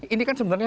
ini kan sebenarnya